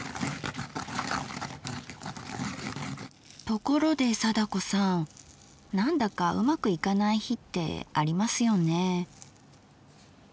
ところで貞子さんなんだかうまくいかない日ってありますよね。